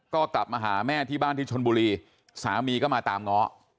ก็กลับมาหาแม่ที่บ้านที่ชนบุรีสามีก็มาตามง้อ